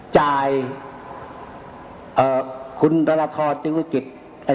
จ่ายเอ่อคุณตะละทอเจ๊งภูมิกิติ